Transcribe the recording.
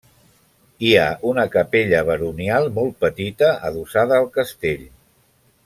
Hi ha una capella baronial molt petita adossada al castell.